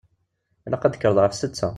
Ilaq ad d-tekkreḍ ɣef setta.